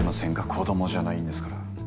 子供じゃないんですから。